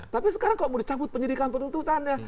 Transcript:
tapi sekarang kok mau dicabut penyidikan penuntutannya